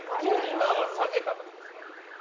今は下げたってことですか？